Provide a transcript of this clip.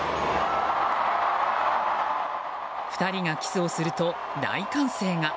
２人がキスをすると大歓声が。